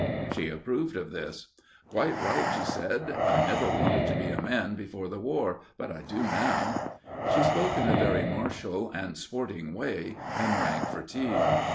She approved of this. "Quite right," she said. "I never wanted to be a man before the War, but I do now." She spoke in a very martial and sporting way, and rang for tea.